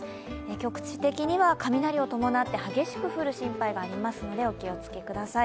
局地的には雷を伴って激しく降る心配がありますのでお気をつけください。